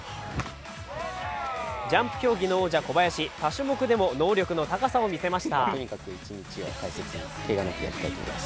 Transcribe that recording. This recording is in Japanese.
ジャンプ競技の王者・小林他種目でも能力の高さを見せました。